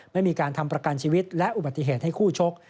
ไม่มีการทำประกันชีวิตและอุบัติเหตุให้คู่ชก